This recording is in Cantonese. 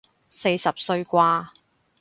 四十歲啩